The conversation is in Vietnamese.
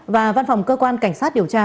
và văn phòng cơ quan cảnh sát điều tra